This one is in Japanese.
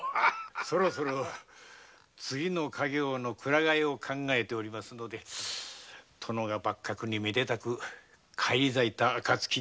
そろそろ次の稼業への鞍替えを考えておりますので殿が幕閣にめでたく返り咲いた暁にはどうかよしなに。